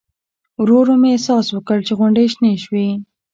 ورو ورو مې احساس وکړ چې غونډۍ شنې شوې.